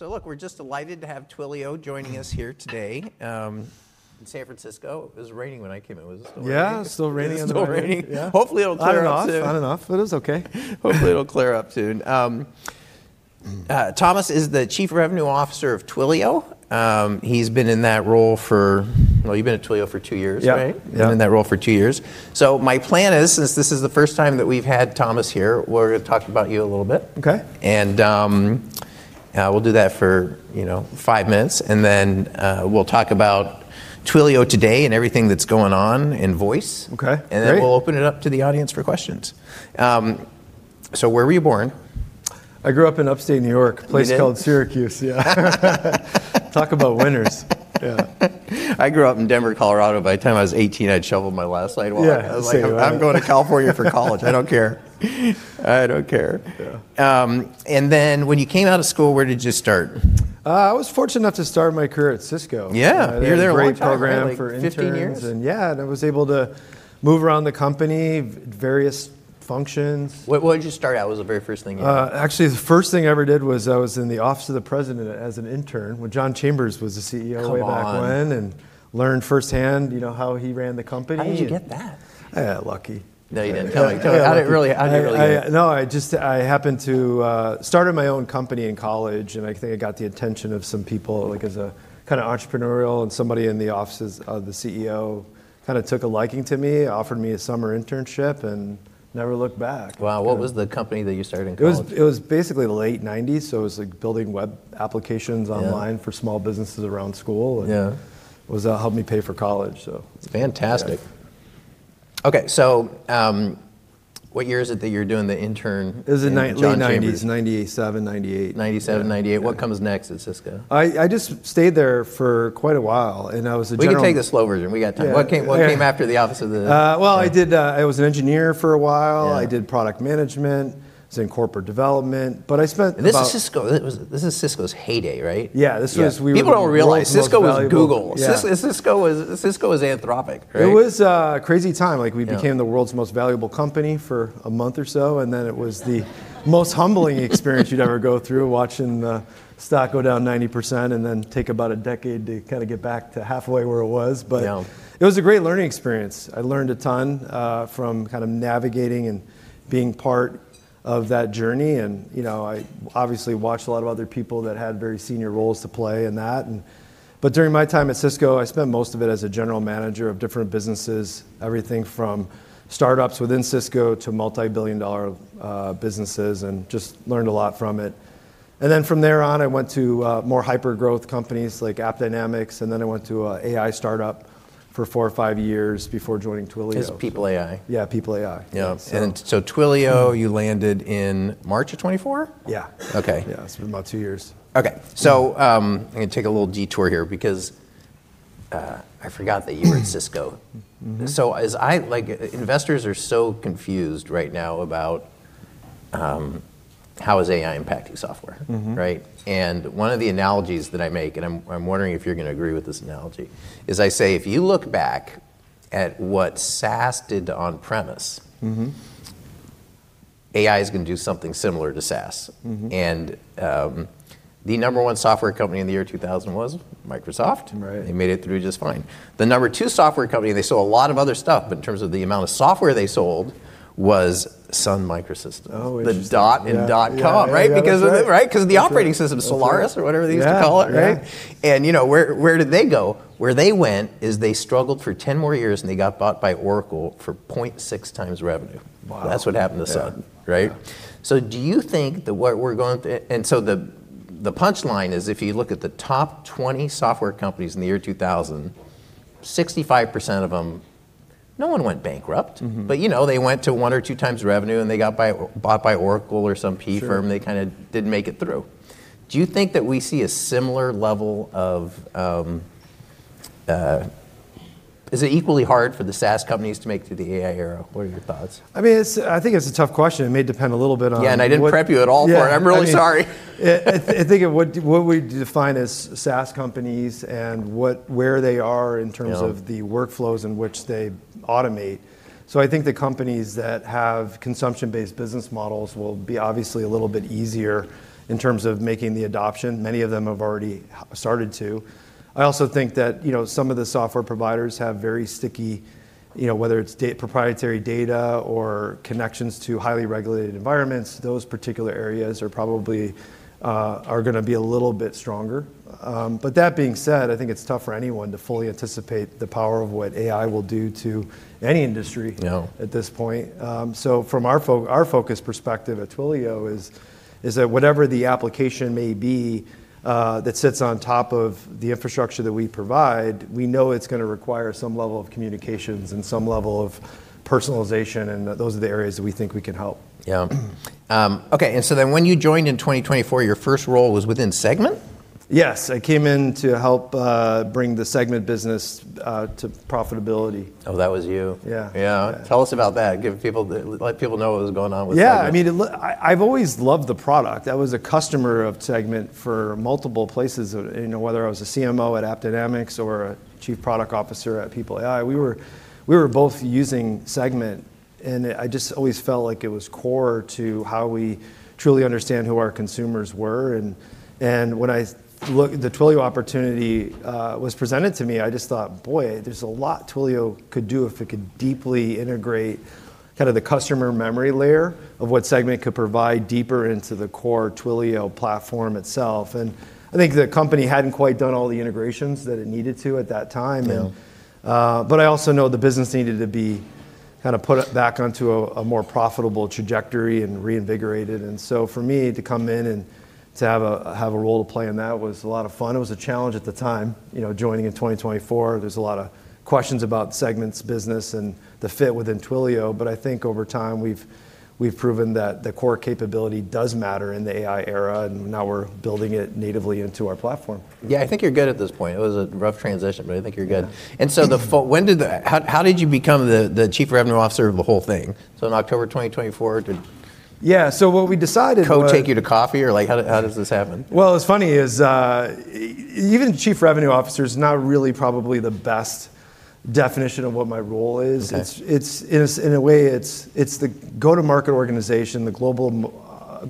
Look, we're just delighted to have Twilio joining us here today, in San Francisco. It was raining when I came in. Was it still raining? Yeah, still raining in the morning. Still raining. Yeah. Hopefully it'll clear up soon. On and off, on and off, it's okay. Hopefully it'll clear up soon. Thomas Wyatt is the Chief Revenue Officer of Twilio. He's been in that role for... You've been at Twilio for 2 years, right? Yep. Yep. You've been in that role for 2 years. My plan is, since this is the first time that we've had Thomas Wyatt here, we're going to talk about you a little bit. Okay. Yeah, we'll do that for 5 minutes, and then, we'll talk about Twilio today and everything that's going on in voice. Okay. Great. We'll open it up to the audience for questions. Where were you born? I grew up in Upstate New York. You did? A place called Syracuse, yeah. Talk about winters. Yeah. I grew up in Denver, Colorado. By the time I was 18, I had shoveled my last sidewalk. Yeah. Same. I was like, "I'm going to California for college. I don't care. I don't care. Yeah. Then when you came out of school, where did you start? I was fortunate enough to start my career at Cisco. Yeah. You were there a long time, right? They had a great program for interns. Like, 15 years? I was able to move around the company, various functions. What did you start out as the very first thing you did? Actually, the first thing I ever did was I was in the Office of the President as an intern when John Chambers was the CEO way back when. Come on. Learned firsthand how he ran the company. How'd you get that? I got lucky. No, you didn't. Tell me, tell me. Yeah. How'd it really, how'd it really go? I no, I just, I happened to started my own company in college, I think I got the attention of some people, like, as a entrepreneurial, somebody in the Office of the CEO took a liking to me, offered me a summer internship, and never looked back. Wow. What was the company that you started in college? It was basically the late '90s, so it was, like, building web applications online for small businesses around school. Yeah. It helped me pay for college, so. That's fantastic. Yeah. Okay. What year is it that you're doing the intern thing with John Chambers? It was in late 1990s. 1997, 1998. Yeah. 1997, 1998. What comes next at Cisco? I just stayed there for quite a while, and I was a general- We can take the slow version. We got time. Yeah. What came after the Office of the-? Well, I was an engineer for a while. Yeah. I did product management. I was in corporate development, but I spent about- This is Cisco, this is Cisco's heyday, right? Yeah, this was. Yeah. People don't realize-... the world's most... Cisco was Google. Yeah. Cisco was Anthropic, right? It was a crazy time. Yeah. We became the world's most valuable company for a month or so. It was most humbling experience you'd ever go through, watching the stock go down 90% and take about a decade to kinda get back to halfway where it was. It was a great learning experience. I learned a ton from kind of navigating and being part of that journey. I obviously watched a lot of other people that had very senior roles to play in that. During my time at Cisco, I spent most of it as a general manager of different businesses, everything from startups within Cisco to multi-billion dollar businesses, and just learned a lot from it. From there on, I went to more hypergrowth companies like AppDynamics, then I went to an AI startup for four or five years before joining Twilio. It was People.ai. Yeah, People.ai. Yeah. So. Twilio, you landed in March of 2024? Yeah. Okay. Yeah. It's been about two years. Okay. I'm going to take a little detour here because I forgot that you were at Cisco. Investors are so confused right now about how is AI impacting software. Mm-hmm. One of the analogies that I make, and I'm wondering if you're going to agree with this analogy, is I say if you look back at what SaaS did to on-premise... Mm-hmm... AI is going to do something similar to SaaS. Mm-hmm. The number 1 software company in the year 2000 was Microsoft. Right. They made it through just fine. The number two software company, and they sold a lot of other stuff, but in terms of the amount of software they sold, was Sun Microsystems. Oh, interesting. The dot in dotcom, right? Yeah. Yeah. Right, right. Because of, right? 'Cause of the operating system. That's right. Solaris or whatever they used to call it, right? Yeah. Yeah. Where did they go? Where they went is they struggled for 10 more years, and they got bought by Oracle for 0.6 times revenue. Wow. That's what happened to Sun. Yeah. Right? Yeah. Do you think that what we're going through? The punchline is if you look at the top 20 software companies in the year 2000, 65% of them, no one went bankrupt. Mm-hmm. They went to one or two times revenue, and they got bought by Oracle or some PE firm. Sure. They didn't make it through. Do you think that we see a similar level of... Is it equally hard for the SaaS companies to make it through the AI era? What are your thoughts? I mean, it's, I think it's a tough question. It may depend a little bit on what- Yeah, I didn't prep you at all for it. Yeah. I'm really sorry. I think of what we'd define as SaaS companies and where they are in terms of the workflows in which they automate. I think the companies that have consumption-based business models will be obviously a little bit easier in terms of making the adoption. Many of them have already started to. I also think that some of the software providers have very sticky whether it's proprietary data or connections to highly regulated environments, those particular areas are probably going to be a little bit stronger. That being said, I think it's tough for anyone to fully anticipate the power of what AI will do to any industry at this point. From our focus perspective at Twilio is that whatever the application may be, that sits on top of the infrastructure that we provide, we know it's going to require some level of communications and some level of personalization, and that those are the areas that we think we can help. Yeah. Okay. When you joined in 2024, your first role was within Segment? Yes. I came in to help bring the Segment business to profitability. Oh, that was you. Yeah. Yeah. Tell us about that. Let people know what was going on with Segment. I've always loved the product. I was a customer of Segment for multiple places, whether I was a CMO at AppDynamics or a chief product officer at People.ai. We were both using Segment. I just always felt like it was core to how we truly understand who our consumers were. The Twilio opportunity was presented to me, I just thought, boy, there's a lot Twilio could do if it could deeply integrate kind of the customer memory layer of what Segment could provide deeper into the core Twilio platform itself. I think the company hadn't quite done all the integrations that it needed to at that time. Yeah. I also know the business needed to be put back onto a more profitable trajectory and reinvigorated. For me to come in and to have a role to play in that was a lot of fun. It was a challenge at the time. Joining in 2024, there's a lot of questions about Segment's business and the fit within Twilio. I think over time, we've proven that the core capability does matter in the AI era, and now we're building it natively into our platform. I think you're good at this point. It was a rough transition, but I think you're good. Yeah. How did you become the chief revenue officer of the whole thing? In October 2024 Yeah. What we decided was- take you to coffee or like how does this happen? Well, what's funny is, even chief revenue officer is not really probably the best definition of what my role is. Okay. It's in a way it's the go-to-market organization, the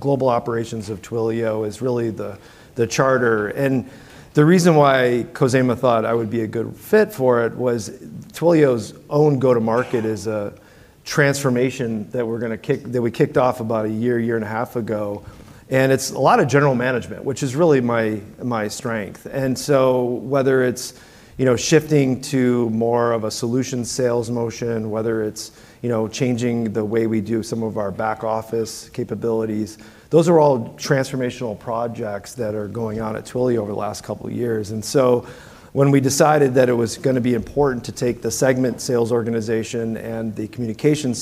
global operations of Twilio is really the charter. The reason why Khozema Shipchandler thought I would be a good fit for it was Twilio's own go-to-market is a transformation that we kicked off about a year and a half ago, and it's a lot of general management, which is really my strength. Whether it's shifting to more of a solution sales motion, whether it's, changing the way we do some of our back office capabilities, those are all transformational projects that are going on at Twilio over the last couple of years. When we decided that it was going to be important to take the Segment sales organization and the communication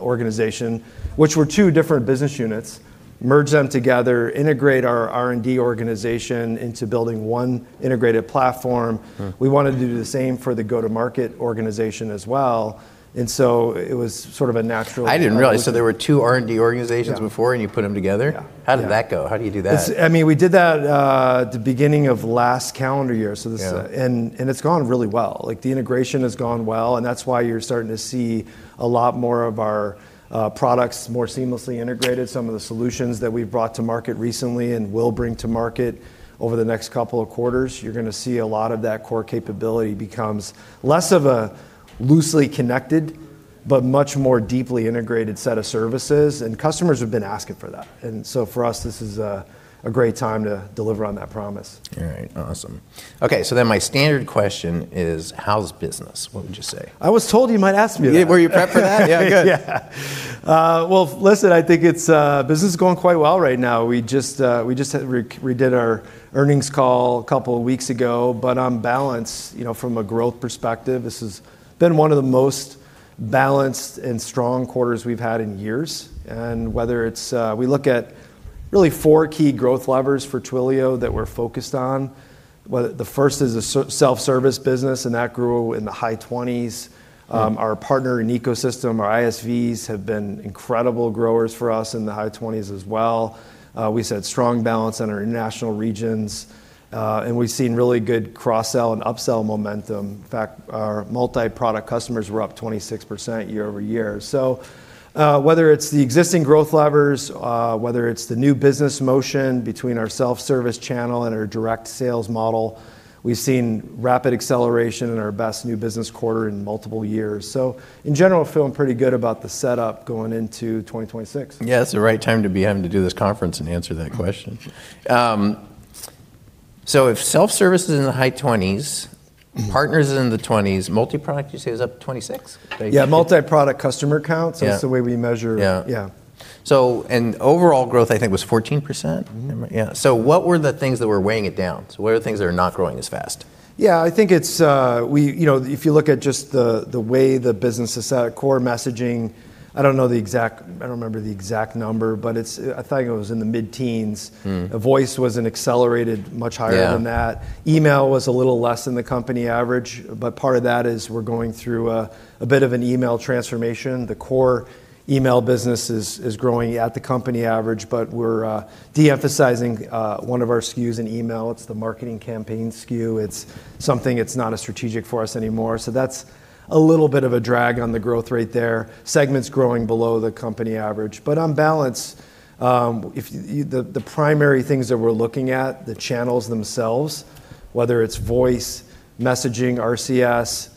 organization, which were two different business units, merge them together, integrate our R&D organization into building one integrated platform. Mm. We wanted to do the same for the go-to-market organization as well, and so it was sort of a natural kind of. I didn't realize, so there were 2 R&D organizations before you put them together. Yeah. Yeah. How did that go? How do you do that? We did that, at the beginning of last calendar year, so and it's gone really well. The integration has gone well, and that's why you're starting to see a lot more of our products more seamlessly integrated. Some of the solutions that we've brought to market recently and will bring to market over the next couple of quarters, you're going to see a lot of that core capability becomes less of a loosely connected, but much more deeply integrated set of services. Customers have been asking for that. For us, this is a great time to deliver on that promise. All right. Awesome. Okay. My standard question is, how's business? What would you say? I was told you might ask me that. Yeah. Were you prepped for that? Yeah. Good. Well, listen, I think it's business is going quite well right now. We just redid our earnings call a couple of weeks ago. On balance from a growth perspective, this has been one of the most balanced and strong quarters we've had in years. Whether it's, we look at really four key growth levers for Twilio that we're focused on. The first is the self-service business, and that grew in the high 20s. Our partner and ecosystem, our ISVs, have been incredible growers for us in the high 20s as well. We've seen strong balance in our international regions, and we've seen really good cross-sell and up-sell momentum. In fact, our multi-product customers were up 26% year-over-year. Whether it's the existing growth levers, whether it's the new business motion between our self-service channel and our direct sales model, we've seen rapid acceleration in our best new business quarter in multiple years. In general, feeling pretty good about the setup going into 2026. Yeah. It's the right time to be having to do this conference and answer that question. Yeah. If self-service is in the high 20s partners is in the 20s, multi-product you say is up 26? Yeah. Multi-product customer counts that's the way we measure. Yeah Yeah. Overall growth, I think, was 14%? What were the things that were weighing it down? What are the things that are not growing as fast? Yeah. I think it's if you look at just the way the business is set up, core messaging, I don't remember the exact number, but it's, I think it was in the mid-teens. Voice was an accelerated much higher than that. Email was a little less than the company average. Part of that is we're going through a bit of an email transformation. The core email business is growing at the company average, but we're de-emphasizing one of our SKUs in email. It's the marketing campaign SKU. It's something that's not as strategic for us anymore. That's a little bit of a drag on the growth rate there. Segment's growing below the company average. On balance, if the primary things that we're looking at, the channels themselves, whether it's voice, messaging, RCS,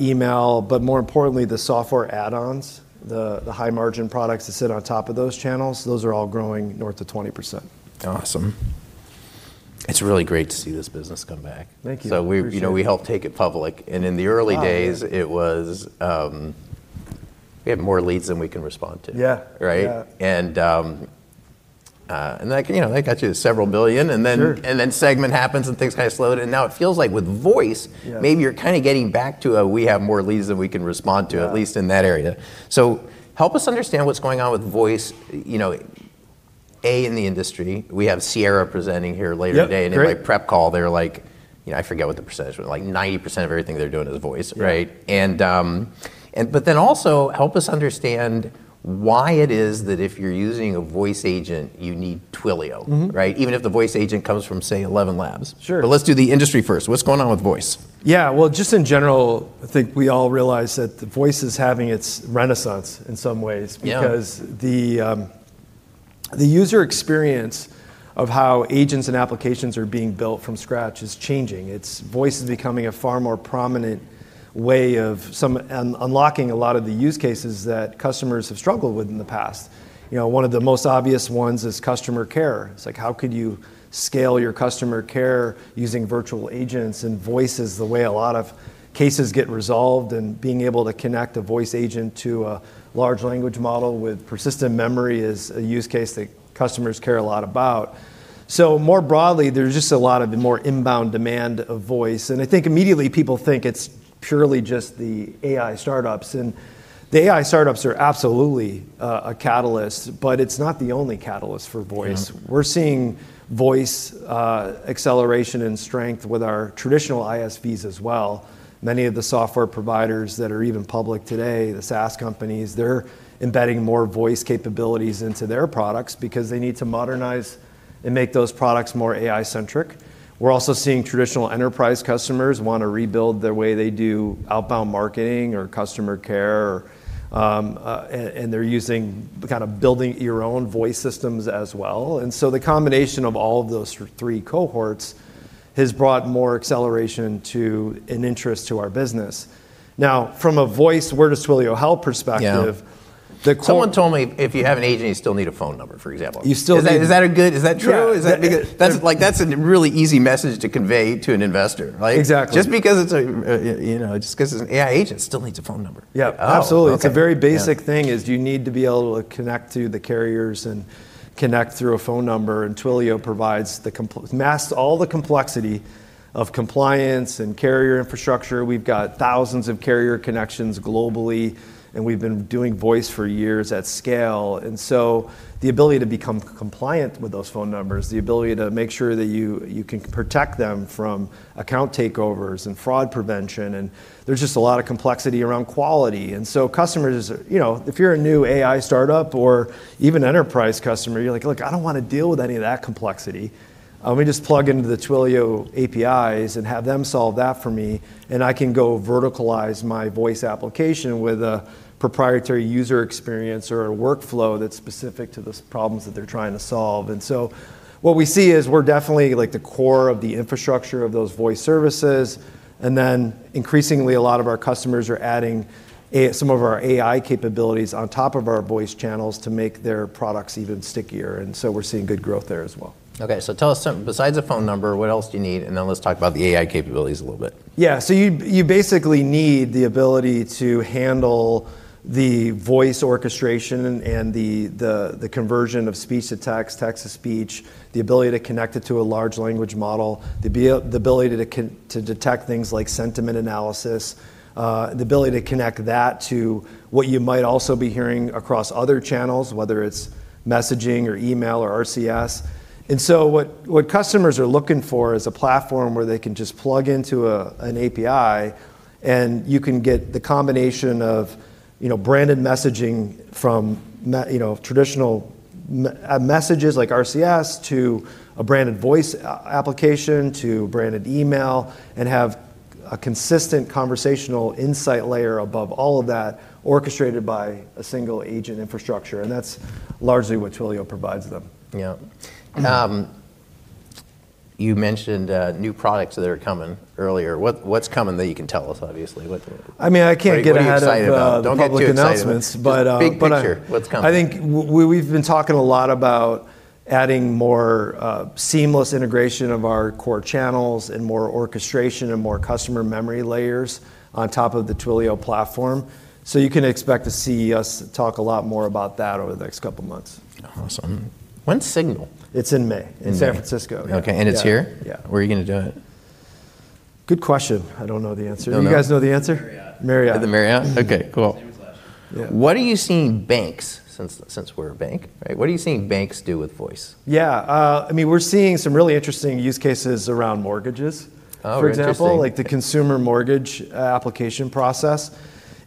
email, but more importantly, the software add-ons, the high margin products that sit on top of those channels, those are all growing north of 20%. Awesome. It's really great to see this business come back. Thank you. So we- Appreciate it. ...we helped take it public, in the early days... Oh, man!... it was, we have more leads than we can respond to. Yeah. Right? Yeah. That got you to $ several billion. Sure Segment happens, and things kind of slowed. Now it feels like with voice. Yeah... maybe you're getting back to a, "We have more leads than we can respond to"- Yeah... at least in that area. Help us understand what's going on with voice A, in the industry? We have Ciena presenting here later today- Yep. Great.... and in my prep call, they're like, I forget what the percentage was, like, 90% of everything they're doing is voice, right? Yeah. Also help us understand why it is that if you're using a voice agent, you need Twilio. Mm-hmm. Right? Even if the voice agent comes from, say, ElevenLabs. Sure. Let's do the industry first. What's going on with voice? Yeah. Well, just in general, I think we all realize that the voice is having its renaissance in some ways... Yeah... because the user experience of how agents and applications are being built from scratch is changing. Voice is becoming a far more prominent way of unlocking a lot of the use cases that customers have struggled with in the past. One of the most obvious ones is customer care. It's like, how could you scale your customer care using virtual agents, and voice is the way a lot of cases get resolved, and being able to connect a voice agent to a large language model with persistent memory is a use case that customers care a lot about. More broadly, there's just a lot of more inbound demand of voice, and I think immediately people think it's purely just the AI startups. The AI startups are absolutely a catalyst, but it's not the only catalyst for voice. Yeah. We're seeing voice acceleration and strength with our traditional ISVs as well. Many of the software providers that are even public today, the SaaS companies, they're embedding more voice capabilities into their products because they need to modernize and make those products more AI-centric. We're also seeing traditional enterprise customers want to rebuild the way they do outbound marketing or customer care or, and they're using the kind of building your own voice systems as well. The combination of all of those three cohorts has brought more acceleration to, and interest to our business. From a voice, where does Twilio help perspective- Yeah... the- Someone told me if you have an agent, you still need a phone number, for example. You still need. Is that true? Yeah. That's, like, that's a really easy message to convey to an investor, right? Exactly. Just because it's just 'cause it's an AI agent still needs a phone number. Yeah. Oh, okay. Absolutely. Yeah. It's a very basic thing is you need to be able to connect to the carriers and connect through a phone number. Twilio provides masks all the complexity of compliance and carrier infrastructure. We've got thousands of carrier connections globally. We've been doing voice for years at scale. The ability to become compliant with those phone numbers, the ability to make sure that you can protect them from account takeovers and fraud prevention. There's just a lot of complexity around quality. Customers, if you're a new AI startup or even enterprise customer, you're like, "Look, I don't want to deal with any of that complexity. Let me just plug into the Twilio APIs and have them solve that for me, and I can go verticalize my voice application with a proprietary user experience or a workflow that's specific to the problems that they're trying to solve. What we see is we're definitely like the core of the infrastructure of those voice services and then increasingly a lot of our customers are adding some of our AI capabilities on top of our voice channels to make their products even stickier, and so we're seeing good growth there as well. Okay. Tell us something. Besides a phone number, what else do you need? Then let's talk about the AI capabilities a little bit. You basically need the ability to handle the voice orchestration and the conversion of speech-to-text, text-to-speech, the ability to connect it to a large language model, the ability to detect things like sentiment analysis, the ability to connect that to what you might also be hearing across other channels, whether it's messaging or email or RCS. What customers are looking for is a platform where they can just plug into an API and you can get the combination of branded messaging from traditional messages like RCS to a branded voice application to branded email and have a consistent conversational insight layer above all of that orchestrated by a single agent infrastructure, and that's largely what Twilio provides them. Yeah. You mentioned new products that are coming earlier. What's coming that you can tell us, obviously? I mean, I can't get ahead of. Like what are you excited about?... public announcements. Don't get too excited. But, uh, but, uh- Just big picture, what's coming? I think we've been talking a lot about adding more seamless integration of our core channels and more orchestration and more customer memory layers on top of the Twilio platform. You can expect to see us talk a lot more about that over the next couple months. Awesome. When's SIGNAL? It's in May. In May. In San Francisco. Yeah. Okay. it's here? Yeah. Yeah. Where are you going to do it? Good question. I don't know the answer. Don't know. You guys know the answer? Marriott. Marriott. At the Marriott? Mm-hmm. Okay, cool. Same as last year. Yeah. What are you seeing banks, since we're a bank, right? What are you seeing banks do with voice? Yeah. I mean, we're seeing some really interesting use cases around mortgages. Oh, interesting.... for example, like the consumer mortgage, application process.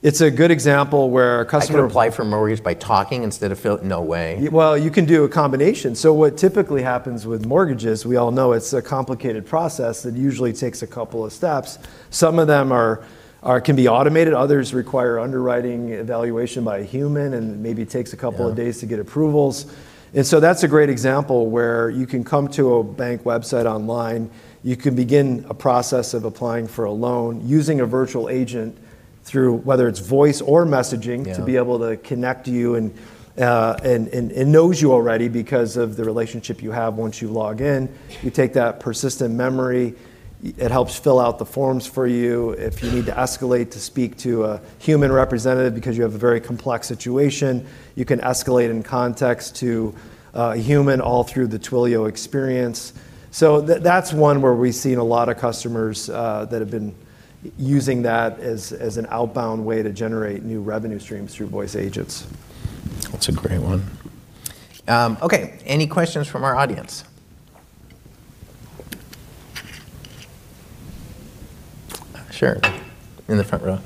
It's a good example where a customer- I can apply for mortgages by talking instead of fil-. No way. Well, you can do a combination. What typically happens with mortgages, we all know it's a complicated process that usually takes a couple of steps. Some of them are automated, others require underwriting evaluation by a human, and maybe takes a couple of- Yeah... days to get approvals. That's a great example where you can come to a bank website online, you can begin a process of applying for a loan using a virtual agent through whether it's voice or messaging-. Yeah... to be able to connect you and knows you already because of the relationship you have once you log in. You take that persistent memory, it helps fill out the forms for you. If you need to escalate to speak to a human representative because you have a very complex situation, you can escalate in context to a human all through the Twilio experience. That's one where we've seen a lot of customers that have been using that as an outbound way to generate new revenue streams through voice agents. That's a great one. Okay. Any questions from our audience? Sure. In the front row.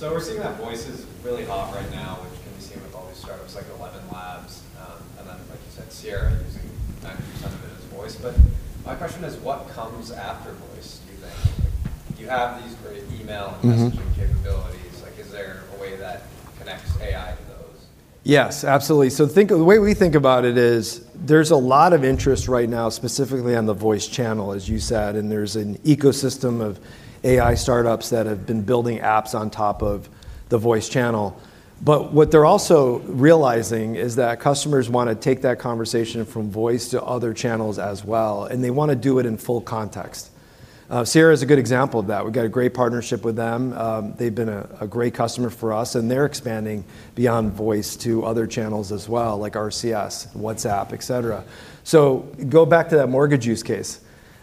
We're seeing that voice is really hot right now, which can be seen with all these startups like ElevenLabs, and then like you said, Ciena using 90% of it as voice. My question is what comes after voice? You have these great email- Mm-hmm messaging capabilities. Like, is there a way that connects AI to those? Yes, absolutely. The way we think about it is there's a lot of interest right now specifically on the voice channel, as you said, and there's an ecosystem of AI startups that have been building apps on top of the voice channel. What they're also realizing is that customers want to take that conversation from voice to other channels as well, and they want to do it in full context. Ciena is a good example of that. We've got a great partnership with them. They've been a great customer for us, and they're expanding beyond voice to other channels as well, like RCS, WhatsApp, et cetera. Go back to that mortgage use case.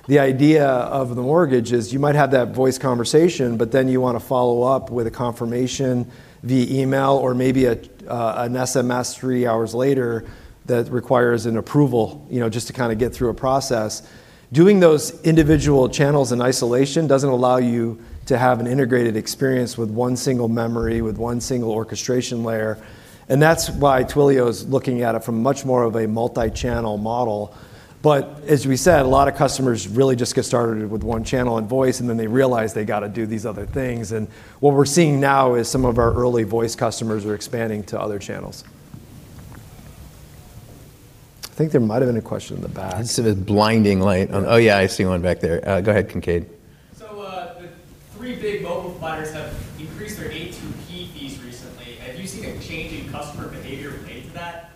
The idea of the mortgage is you might have that voice conversation, but then you want to follow up with a confirmation via email or maybe an SMS 3 hours later that requires an approval, just to get through a process. Doing those individual channels in isolation doesn't allow you to have an integrated experience with 1 single memory, with 1 single orchestration layer, and that's why Twilio is looking at it from much more of a multi-channel model. As we said, a lot of customers really just get started with 1 channel and voice, and then they realize they gotta do these other things. What we're seeing now is some of our early voice customers are expanding to other channels. I think there might have been a question in the back. It's a bit blinding light on. Oh, yeah, I see one back there. Go ahead, Kincaid. The three big mobile providers have increased their A2P fees recently. Have you seen a change in customer behavior related to that?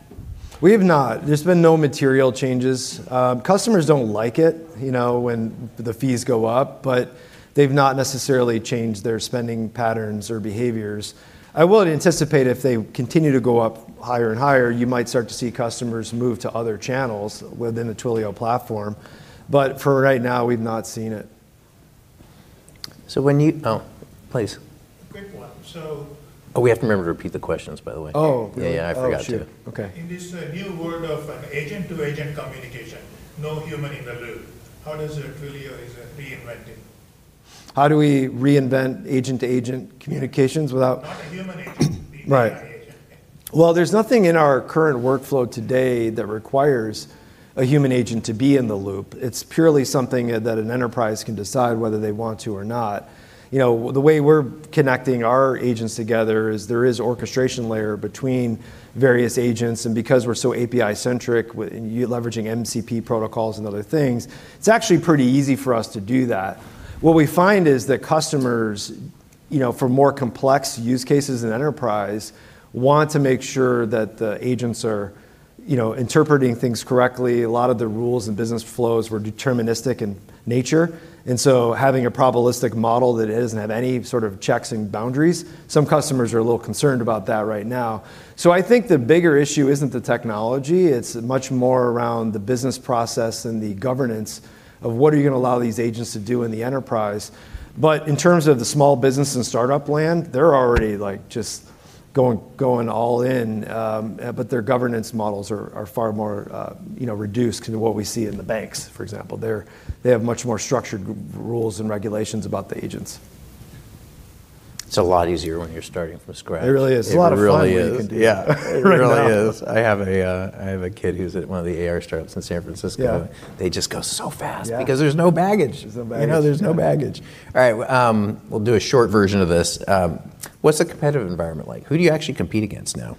We have not. There's been no material changes. Customers don't like it, when the fees go up, but they've not necessarily changed their spending patterns or behaviors. I would anticipate if they continue to go up higher and higher, you might start to see customers move to other channels within the Twilio platform. For right now, we've not seen it. Oh, please. Quick one. Oh, we have to remember to repeat the questions, by the way. Oh. Yeah, yeah. I forgot to. Oh, shoot. Okay. In this new world of an agent-to-agent communication, no human in the loop, how does Twilio is reinventing? How do we reinvent agent-to-agent communications without-? Not a human agent. Right. AI agent. There's nothing in our current workflow today that requires a human agent to be in the loop. It's purely something, that an enterprise can decide whether they want to or not. The way we're connecting our agents together is there is orchestration layer between various agents. Because we're so API-centric leveraging MCP protocols and other things, it's actually pretty easy for us to do that. What we find is that customers or more complex use cases in enterprise, want to make sure that the agents are interpreting things correctly. A lot of the rules and business flows were deterministic in nature. Having a probabilistic model that isn't at any sort of checks and boundaries, some customers are a little concerned about that right now. I think the bigger issue isn't the technology, it's much more around the business process and the governance of what are you going to allow these agents to do in the enterprise. In terms of the small business and startup land, they're already, like, just going all in. Their governance models are far more reduced than what we see in the banks, for example. They're. They have much more structured rules and regulations about the agents. It's a lot easier when you're starting from scratch. It really is. It's a lot of fun when you can. It really is. Yeah. It really is. I have a, I have a kid who's at one of the AI startups in San Francisco. Yeah. They just go so fast. Yeah... because there's no baggage. There's no baggage. There's no baggage. All right. We'll do a short version of this. What's the competitive environment like? Who do you actually compete against now?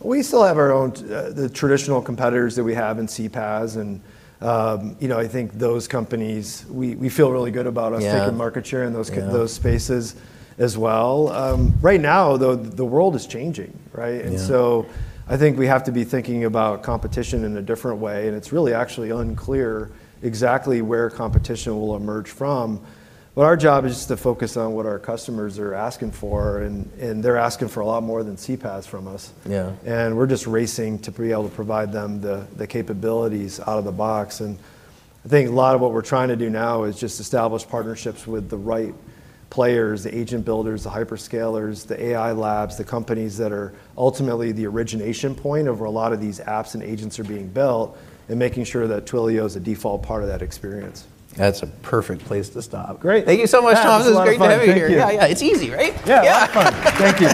We still have our own the traditional competitors that we have in CPaaS and I think those companies, we feel really good about... Yeah... taking market share in those-. Yeah... those spaces as well. Right now, though, the world is changing, right? Yeah. I think we have to be thinking about competition in a different way, and it's really actually unclear exactly where competition will emerge from. Our job is just to focus on what our customers are asking for, and they're asking for a lot more than CPaaS from us. Yeah. We're just racing to be able to provide them the capabilities out of the box. I think a lot of what we're trying to do now is just establish partnerships with the right players, the agent builders, the hyperscalers, the AI labs, the companies that are ultimately the origination point of where a lot of these apps and agents are being built, and making sure that Twilio is a default part of that experience. That's a perfect place to stop. Great. Thank you so much, Thomas. Yeah. It was a lot of fun. It was great to have you here. Thank you. Yeah, yeah. It's easy, right? Yeah. Yeah. A lot of fun. Thank you.